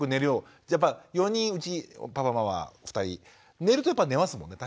やっぱ４人うちパパママ２人寝るとやっぱ寝ますもんね